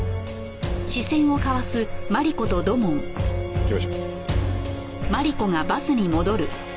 行きましょう。